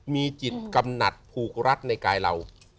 มีจิตกำหนัดผูกรัดในกายเรา